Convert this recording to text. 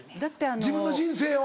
自分の人生を。